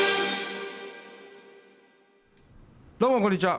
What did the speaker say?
どうもこんにちは。